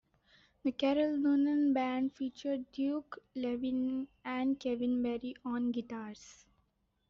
The "Carol Noonan Band" featured Duke Levine and Kevin Barry on guitars.